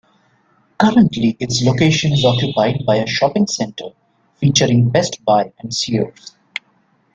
Currently its location is occupied by a shopping center featuring Best Buy and Sears.